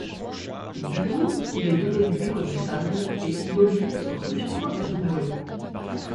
Du coup, il est devenu méconnaissable et y dominent rustres ou voyous.